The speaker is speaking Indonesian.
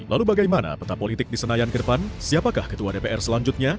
lalu bagaimana peta politik di senayan ke depan siapakah ketua dpr selanjutnya